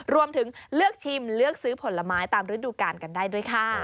รวมถึงเลือกชิมเลือกซื้อผลไม้ตามฤดูกาลกันได้ด้วยค่ะ